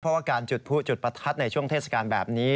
เพราะว่าการจุดผู้จุดประทัดในช่วงเทศกาลแบบนี้